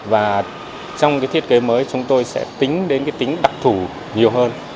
và trong cái thiết kế mới chúng tôi sẽ tính đến tính đặc thủ nhiều hơn